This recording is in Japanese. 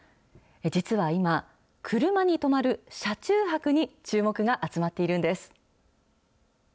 実は今、車に泊まる車中泊に注目が集まっているんです。